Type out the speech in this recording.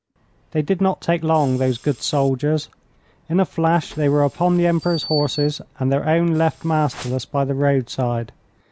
They did not take long, those good soldiers. In a flash they were upon the Emperor's horses, and their own left masterless by the roadside.